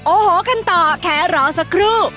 โอ้โหกันต่อแค่รอสักครู่